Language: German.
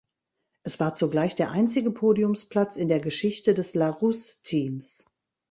Es war zugleich der einzige Podiumsplatz in der Geschichte des Larrousse-Teams.